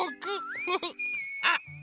あっ。